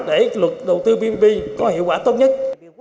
để luật đầu tư ppp có hiệu quả tốt nhất